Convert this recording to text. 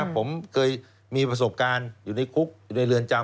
ผมเคยมีประสบการณ์อยู่ในคุกอยู่ในเรือนจำ